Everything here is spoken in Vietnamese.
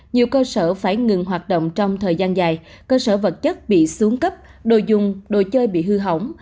nhiều cơ sở phải ngừng hoạt động trong thời gian dài cơ sở vật chất bị xuống cấp đồ dùng đồ chơi bị hư hỏng